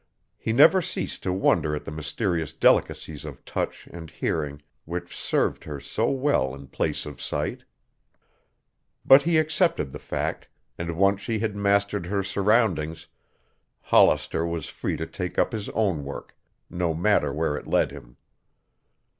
He never ceased to wonder at the mysterious delicacies of touch and hearing which served her so well in place of sight. But he accepted the fact, and once she had mastered her surroundings Hollister was free to take up his own work, no matter where it led him.